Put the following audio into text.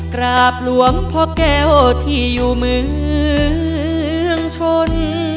กราบหลวงพ่อแก้วที่อยู่เมืองชน